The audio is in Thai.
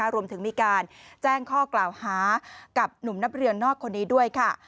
รวมถึงมีการแจ้งข้อกล่าวหากับหนุ่มนักเรียนนอกคนนี้ด้วยค่ะ